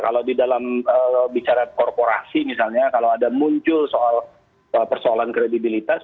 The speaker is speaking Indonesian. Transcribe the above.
kalau di dalam bicara korporasi misalnya kalau ada muncul soal persoalan kredibilitas